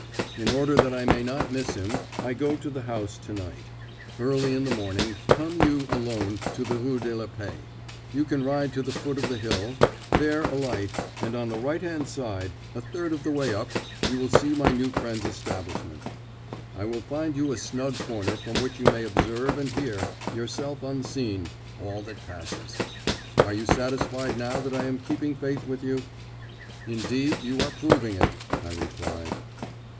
In order that I may not miss him I go to the house to night. Early in the morning come you, alone, to the Rue de la Paix. You can ride to the foot of the hill, there alight, and on the right hand side, a third of the way up, you will see my new friend's establishment. I will find you a snug corner from which you may observe and hear, yourself unseen, all that passes. Are you satisfied now that I am keeping faith with you?" "Indeed, you are proving it," I replied.